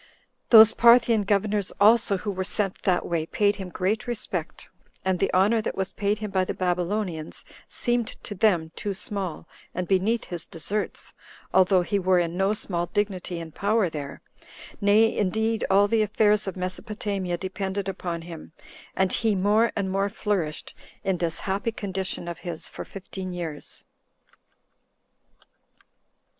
Those Parthian governors also, who were sent that way, paid him great respect; and the honor that was paid him by the Babylonians seemed to them too small, and beneath his deserts, although he were in no small dignity and power there; nay, indeed, all the affairs of Mesopotamia depended upon him, and he more and more flourished in this happy condition of his for fifteen years.